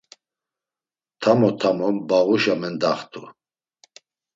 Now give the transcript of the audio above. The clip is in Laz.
Tamo tamo mbağuşa mendaxt̆u.